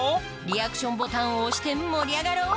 リアクションボタンを押して盛り上がろう！